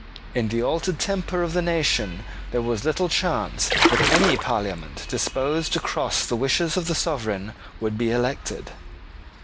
In the altered temper of the nation there was little chance that any Parliament disposed to cross the wishes of the sovereign would be elected.